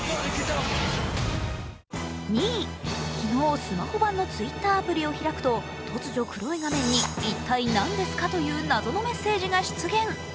２位、昨日スマホ版のＴｗｉｔｔｅｒアプリを開くと突如、黒い画面に「いったい何ですか？」という謎のメッセージが出現。